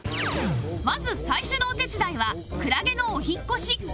まず最初のお手伝いはクラゲのお引っ越し